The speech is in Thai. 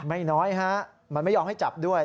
ไม่น้อยฮะมันไม่ยอมให้จับด้วย